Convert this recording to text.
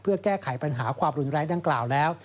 เพื่อแก้ไขปัญหาความรุนแรงดังกล่าวแล้ว